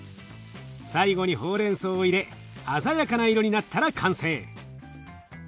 最後にほうれん草を入れ鮮やかな色になったら完成。